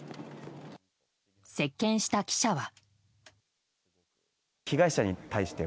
接見した記者は。